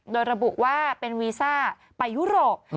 โดยระบุว่าเป็นวีซ่าไปยุโรป